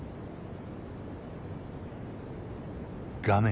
画面